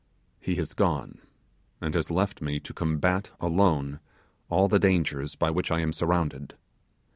He has gone, and has left me to combat alone all the dangers by which I am surrounded.